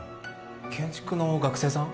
建築の学生さん？